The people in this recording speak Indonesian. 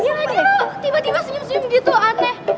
ya lagi lo tiba tiba senyum senyum gitu aneh